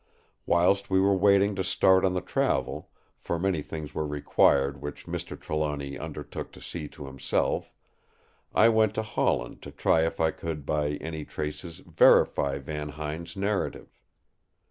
Whilst we were waiting to start on the travel, for many things were required which Mr. Trelawny undertook to see to himself, I went to Holland to try if I could by any traces verify Van Huyn's narrative.